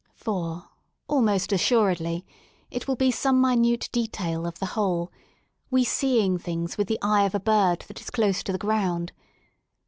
For, almost assuredly, it will be some minute detal of the whole, we seeing things with the eye of a bird that is close to the ground.